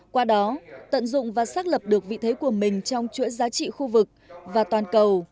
qua đó tận dụng và xác lập được vị thế của mình trong chuỗi giá trị khu vực và toàn cầu